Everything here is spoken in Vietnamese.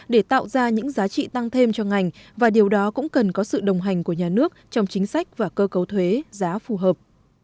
để tạo ra những giá trị tăng thêm cho ngành và điều đó cũng cần có sự đồng hành của nhà nước trong chính sách và cơ cấu thuế giá phù hợp